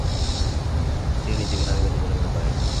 তিনি নিজেকে নারীবাদী বলে মনে করেন।